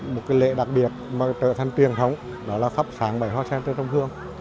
một lễ đặc biệt trở thành truyền thống là phắp sáng bầy hoa sen trên sông hương